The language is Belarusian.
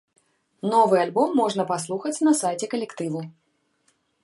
Новы альбом можна паслухаць на сайце калектыву.